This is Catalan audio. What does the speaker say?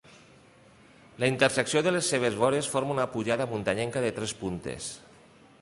La intersecció de les seves vores forma una pujada muntanyenca de tres puntes.